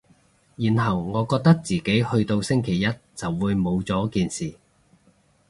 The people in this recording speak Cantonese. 然後我覺得自己去到星期一就會冇咗件事